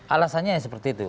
alasannya seperti itu